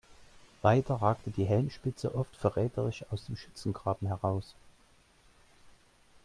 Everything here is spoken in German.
Weiter ragte die Helmspitze oft verräterisch aus dem Schützengraben heraus.